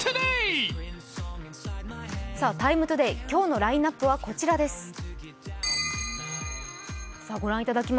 「ＴＩＭＥ，ＴＯＤＡＹ」、今日のラインナップはこちらです。